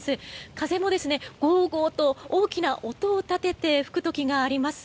風もごうごうと大きな音を立てて吹く時があります。